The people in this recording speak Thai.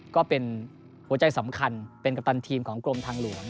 ก็เป็นหัวใจสำคัญเป็นกัปตันทีมของกรมทางหลวง